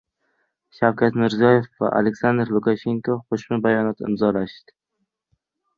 Shavkat Mirziyoyev va Aleksandr Lukashenko Qo‘shma bayonot imzolashdi